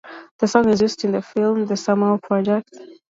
The song is used in the film "The Samuel Project".